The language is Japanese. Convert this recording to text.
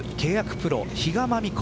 プロ比嘉真美子